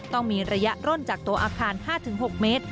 ต้องมีระยะร่นจากตัวอาคาร๕๖เมตร